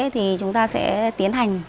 thì chúng ta sẽ tiến hành